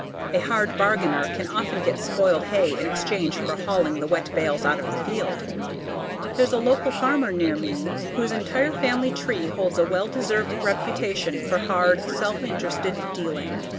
A hard bargainer can often get spoiled hay in exchange for hauling the wet bales out of the field There's one local farmer near me whose entire family tree holds a well deserved reputation for hard, self interested dealing.